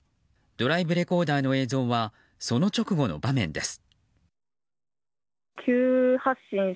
ドライブレコーダーの映像はその直後の場面です。